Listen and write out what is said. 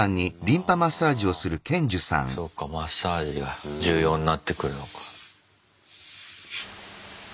ああそうかマッサージが重要になってくるのか。